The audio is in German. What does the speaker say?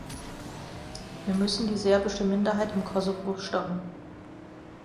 Wir müssen die serbische Minderheit im Kosovo stoppen.